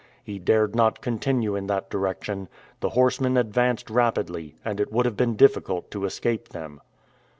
He dared not continue in that direction. The horsemen advanced rapidly, and it would have been difficult to escape them.